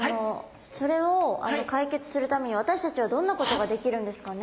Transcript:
それを解決するために私たちはどんなことができるんですかね。